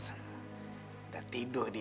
udah tidur dia